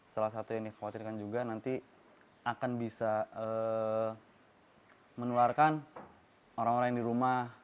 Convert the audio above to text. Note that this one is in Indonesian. salah satu yang dikhawatirkan juga nanti akan bisa menularkan orang orang yang di rumah